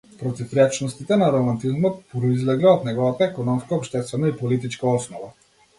Противречностите на романтизмот произлегле од неговата економско-општествена и политичка основа.